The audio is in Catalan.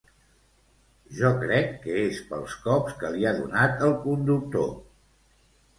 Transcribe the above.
Jo crec que és pels cops que li ha donat el conductor